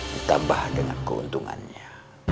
ditambah dengan keuntungannya